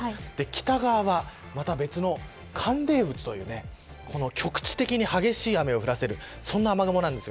北側は、また別の寒冷渦という局地的に激しい雨を降らせるそんな雨雲です。